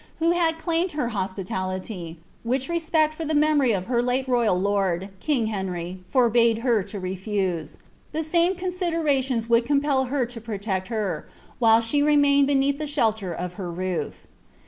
_ claimed her hoapitality, which respect for the raemoiy of her late tojji lord, king Henry, forbade her lo refuse ^ the same considentioiu wooid i;ompel her to protect her, while she remaine<l beneath tlie ■Iwjutd' her roof."'